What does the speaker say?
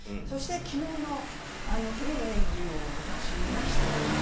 そして、昨日のフリーの演技も私、見ました。